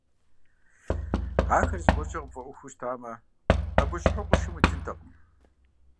Ахэр зыгуэркӀэ къыпфӀэӀуэхуу щытамэ, къэбущыхьу къуршым уитынтэкъым.